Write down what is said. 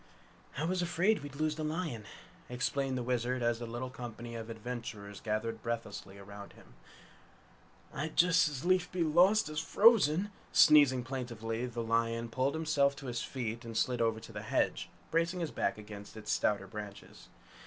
"I was afraid we'd lose the lion," explained the Wizard as the little company of adventurers gathered breathlessly round him. "I'd just as lief be lost as frozen!" Sneezing plaintively, the lion pulled himself to his feet and slid over to the hedge, bracing his back against its stouter branches.